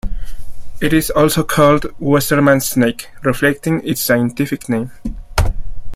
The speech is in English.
It is also called Westermann's snake, reflecting its scientific name.